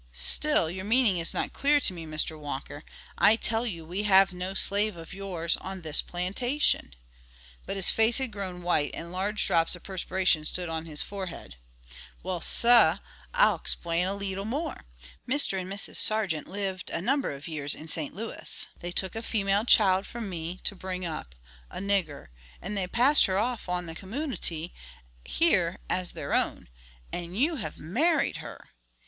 "Still your meaning is not clear to me, Mr. Walker. I tell you we have no slave of yours on this plantation," but his face had grown white, and large drops of perspiration stood on his forehead. "Well, sah, I'll explain a leetle more. Mr. and Mrs. Sargeant lived a number of years in St. Louis; they took a female child from me to bring up–a nigger–and they passed her off on the commoonity here as their own, and you have married her.